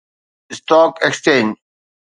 stock exchange